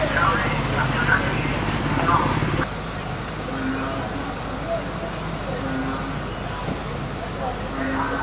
สวัสดีครับทุกคน